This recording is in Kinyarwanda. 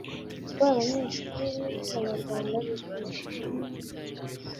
banyeshuri b abanyarwanda biga mu mashuri makuru